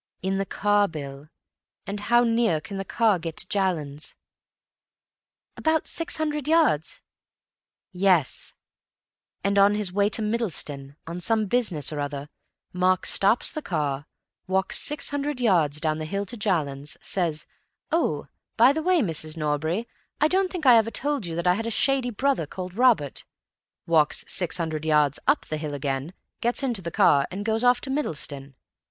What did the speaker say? "In the car, Bill. And how near can the car get to Jallands?" "About six hundred yards." "Yes. And on his way to Middleston, on some business or other, Mark stops the car, walks six hundred yards down the hill to Jallands, says, 'Oh, by the way, Mrs. Norbury, I don't think I ever told you that I have a shady brother called Robert,' walks six hundred yards up the hill again, gets into the car, and goes off to Middleston.